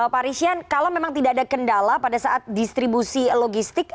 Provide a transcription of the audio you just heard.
pak rishian kalau memang tidak ada kendala pada saat distribusi logistik